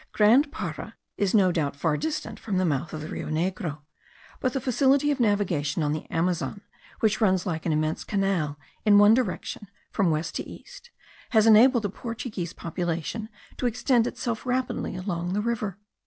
Grand Para is no doubt far distant from the mouth of the Rio Negro: but the facility of navigation on the Amazon, which runs like an immense canal in one direction from west to east, has enabled the Portuguese population to extend itself rapidly along the river.